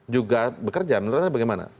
juga bekerja menurut anda bagaimana